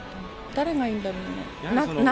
誰がいいんだろうね。